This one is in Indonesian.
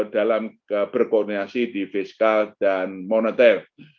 dalam berkoordinasi di fiskal dan moneter